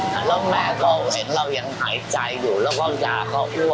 เขาจะออกมามีแล้วแม่ก็เห็นเรายังหายใจอยู่แล้วก็ยาเขา